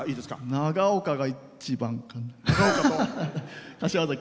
長岡が一番かな。